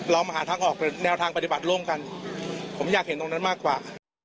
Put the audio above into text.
เรามาหาทางออกเป็นแนวทางปฏิบัติร่วมกันผมอยากเห็นตรงนั้นมากกว่า